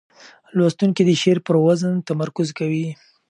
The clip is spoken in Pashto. لوستونکي د شعر پر وزن تمرکز کوي.